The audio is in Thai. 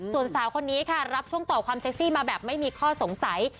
ส่วนสาวคนนี้ค่ะรับช่วงต่อความเซ็กซี่มาแบบไม่มีข้อสงสัย